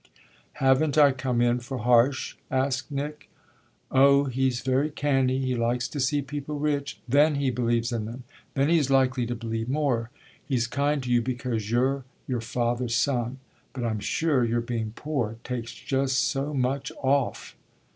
"Haven't I come in for Harsh?" asked Nick. "Oh he's very canny. He likes to see people rich. Then he believes in them then he's likely to believe more. He's kind to you because you're your father's son; but I'm sure your being poor takes just so much off."